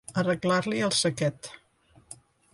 Arreglar-li el saquet.